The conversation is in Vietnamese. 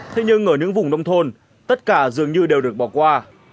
thế nhưng ở những vùng nông thôn tất cả dường như đều được bỏ qua